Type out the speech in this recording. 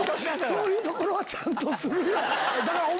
そういうところはちゃんとするよ。